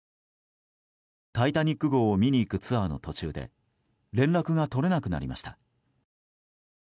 「タイタニック号」を見に行くツアーの途中で連絡が取れなくなりました。